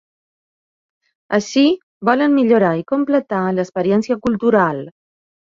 Així volen millorar i completar l’experiència cultural.